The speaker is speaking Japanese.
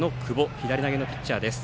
左投げのピッチャーです。